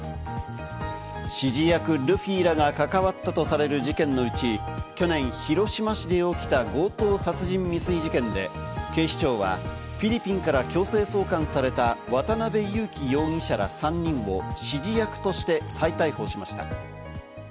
指示役・ルフィらが関わったとされる事件のうち、去年、広島市で起きた強盗殺人未遂事件で、警視庁はフィリピンから強制送還された渡辺優樹容疑者ら３人を指示役として再逮捕しました。